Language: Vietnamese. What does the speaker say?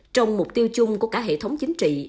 trong mục tiêu chung của cả hệ thống chính trị